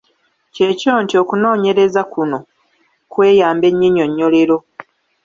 Kyekyo nti okunoonyereza kuno kweyamba ennyinnyonnyolero.